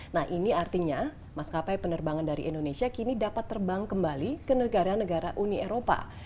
nah ini artinya maskapai penerbangan dari indonesia kini dapat terbang kembali ke negara negara uni eropa